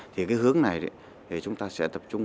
thì cái hướng này thì chúng ta sẽ tập trung